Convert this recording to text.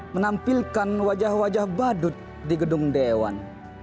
menampilkan wajah wajah badut di gedung dewan